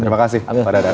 terima kasih pak dadan